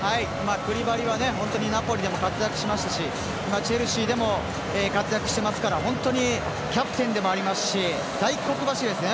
クリバリは本当にナポリでも活躍しましたしチェルシーでも活躍してますからキャプテンでもありますし大黒柱ですね